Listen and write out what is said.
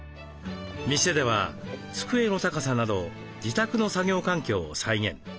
店では机の高さなど自宅の作業環境を再現。